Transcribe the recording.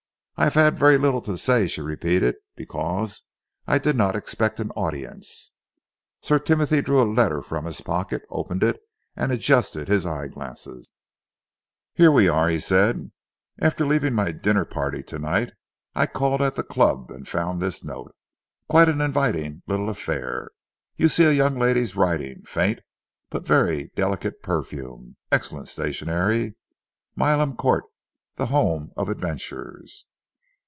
"I have had very little to say," she repeated, "because I did not expect an audience." Sir Timothy drew a letter from his pocket, opened it and adjusted his eyeglass. "Here we are," he said. "After leaving my dinner party tonight, I called at the club and found this note. Quite an inviting little affair, you see young lady's writing, faint but very delicate perfume, excellent stationery, Milan Court the home of adventures!"